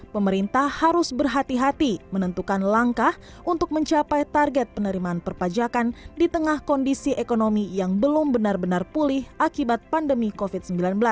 pemerintah harus berhati hati menentukan langkah untuk mencapai target penerimaan perpajakan di tengah kondisi ekonomi yang belum benar benar pulih akibat pandemi covid sembilan belas